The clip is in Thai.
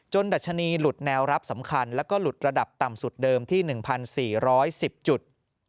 ดัชนีหลุดแนวรับสำคัญแล้วก็หลุดระดับต่ำสุดเดิมที่๑๔๑๐จุด